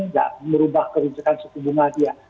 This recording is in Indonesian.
nggak merubah kebijakan suku bunga dia